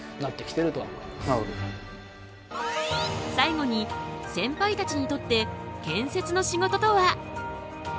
最後にセンパイたちにとって建設の仕事とは。